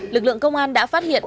lực lượng công an đã phát hiện